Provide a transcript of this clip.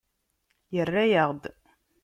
Yerra-aɣ-d.